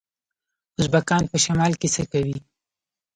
ازبکان په شمال کې څه کوي؟